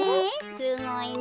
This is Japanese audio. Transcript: すごいね。